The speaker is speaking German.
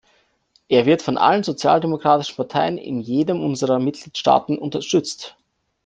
Er wird von allen sozialdemokratischen Parteien in jedem unserer Mitgliedstaaten unterstützt.